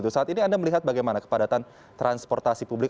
saat ini anda melihat bagaimana kepadatan transportasi publik